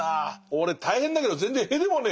俺大変だけど全然屁でもねえよって。